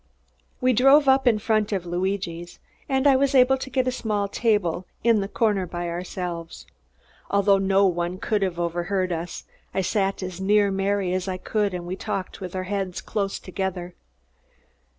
We drove up in front of Luigi's, and I was able to get a small table, in the corner by ourselves. Although no one could have overheard us, I sat as near Mary as I could and we talked with our heads close together.